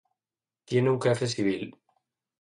Tiene un jefe civil.